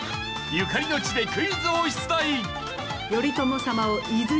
ゆかりの地でクイズを出題！